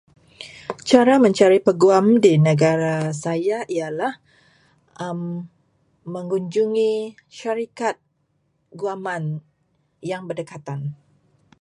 Cara mencari peguam di negara saya adalah mengunjungi syarikat guaman yang berdekatan.